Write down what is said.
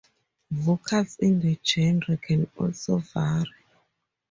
Vocals in the genre can also vary.